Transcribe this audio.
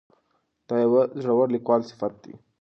دا د یوه زړور لیکوال صفت دی.